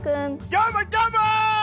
どーも、どーも！